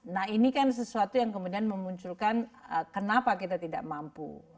nah ini kan sesuatu yang kemudian memunculkan kenapa kita tidak mampu